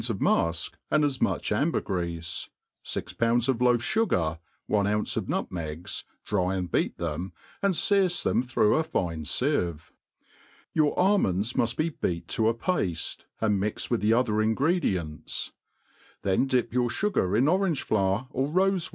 pf fPMik, and at much ambei^r^ii^ fix pounds of loaMugar, one o^ince ol nutm^i, dry and beat them, and fearcc them through a fine (ovc s your almondt muft be beat to a pafte, and mixed with the other ingredients 5 then dip your fugar in oraQgc flower or rofe.